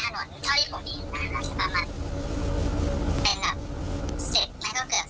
มองกันก่อนเข้าไปมันจะเป็นเงา